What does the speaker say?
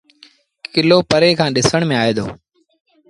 ڪلو پري کآݩ ڏسڻ ميݩ آئي دو۔